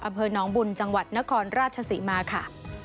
อำเภอน้องบุญจังหวัดนครราชศรีมาค่ะ